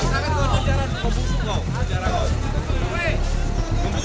jangan jangan jangan